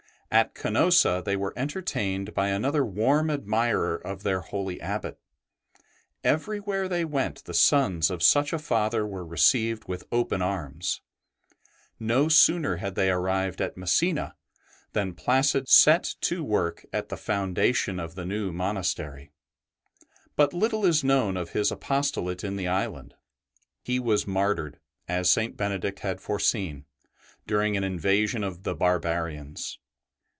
At Canosa* they were enter tained by another warm admirer of their holy Abbot; everywhere they went the sons of such a Father were received with open arms. No sooner had they arrived at Messina than Placid set to work at the foundation of the new monastery; but little is known of his apostolate in the island. He was martyred, as St. Benedict had foreseen, during an in vasion of the barbarians.